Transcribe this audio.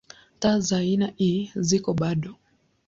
Taa za aina ii ziko bado.